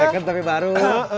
second tapi baru